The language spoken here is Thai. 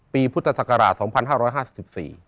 ปีพุทธศักราชสองพันห้าร้อยห้าสิบสี่